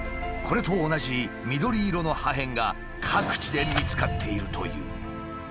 これと同じ緑色の破片が各地で見つかっているという。